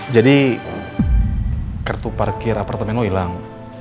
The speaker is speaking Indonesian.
jadi kartu parkir apartemen lo ilang